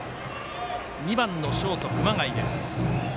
２番のショート熊谷。